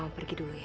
mama pergi dulu ya